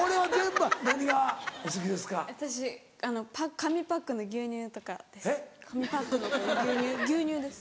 紙パックの牛乳牛乳です。